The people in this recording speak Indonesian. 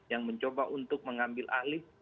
yang mencoba untuk mengambil alih